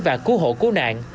và cứu hộ cứu nạn